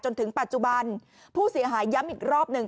จนถึงปัจจุบันผู้เสียหายย้ำอีกรอบหนึ่ง